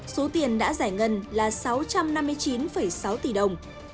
số tiền đã giải ngân là sáu trăm năm mươi chín sáu tỷ đồng